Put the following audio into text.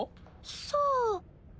さあ？